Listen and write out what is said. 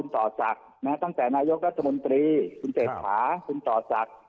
นะฮะตั้งแต่นายกรัฐบุรธรรมน์ธรรมน์ตรีคุณเจจภาคคุณต่อศักดิ์